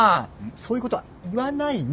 そういうことは言わないの！